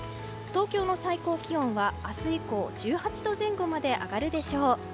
東京の最高気温は明日以降１８度前後まで上がるでしょう。